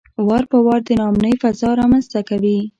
وار په وار د ناامنۍ فضا رامنځته کوي.